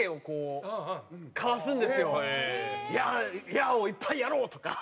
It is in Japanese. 「“ヤー！”をいっぱいやろう」とか。